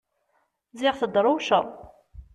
Ziɣ tedrewceḍ!